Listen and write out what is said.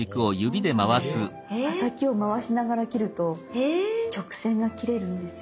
刃先を回しながら切ると曲線が切れるんですよ。